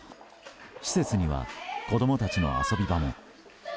施設には子供たちの遊び場も。